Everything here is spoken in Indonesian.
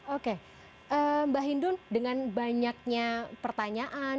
oke mbak hindun dengan banyaknya pertanyaan